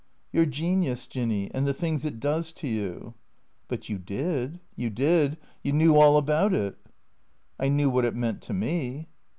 " Your genius. Jinny, and the things it does to you." "But you did — you did — you knew all about it." " I knew what it meant to me."